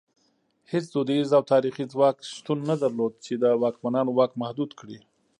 هېڅ دودیز او تاریخي ځواک شتون نه درلود چې د واکمنانو واک محدود کړي.